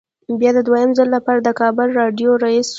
بیا د دویم ځل لپاره د کابل راډیو رییس شو.